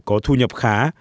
có thu nhập khá